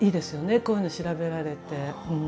こういうの調べられて。